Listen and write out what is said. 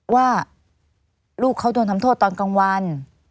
ว่าลูกเขาโดนทำโทษตอนกลางวัน